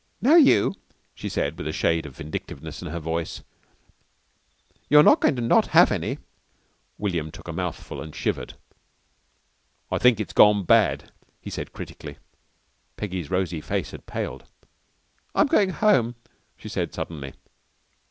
"Now you," she said with a shade of vindictiveness in her voice. "You're not going to not have any." William took a mouthful and shivered. "I think it's gone bad," he said critically. Peggy's rosy face had paled. "I'm going home," she said suddenly.